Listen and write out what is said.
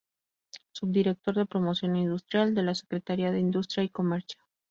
Subdirector de Promoción Industrial de la Secretaría de Industria y Comercio.